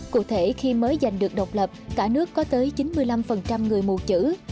cụ thể khi mới giành được độc lập cả nước có tới chín mươi năm người mù chữ